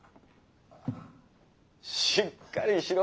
しっかりしろ。